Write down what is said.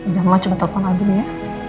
ya mau coba telfon alvin ya